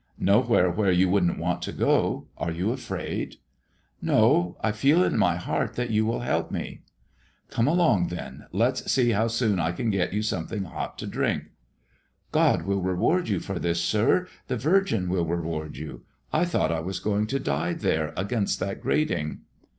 "Nowhere where you wouldn't want to go. Are you afraid?" "No; I feel in my heart that you will help me." "Come along, then. Let's see how soon I can get you something hot to drink." "God will reward you for this, sir; the Virgin will reward you. I thought I was going to die there, against that grating."